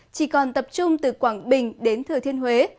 chỉ còn tập trung từ quảng bình đến thừa thiên huế